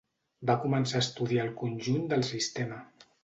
Va començar a estudiar el conjunt del sistema.